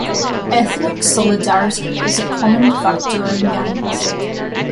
Ethnic solidarity is a common factor in gangs.